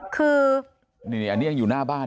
คือนี่อันนี้ยังอยู่หน้าบ้าน